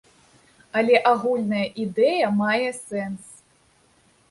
Але агульная ідэя мае сэнс.